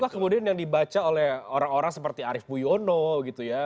apa kemudian yang dibaca oleh orang orang seperti arief buyono gitu ya